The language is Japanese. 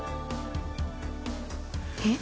えっ？